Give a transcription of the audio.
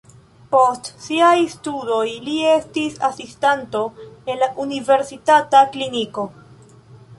Post siaj studoj li estis asistanto en la universitata kliniko.